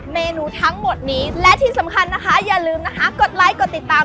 เมนูทั้งหมดนี้และที่สำคัญนะคะอย่าลืมนะคะกดไลค์กดติดตาม